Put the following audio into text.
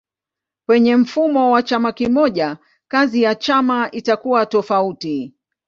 Penye mfumo wa chama kimoja kazi ya chama itakuwa tofauti.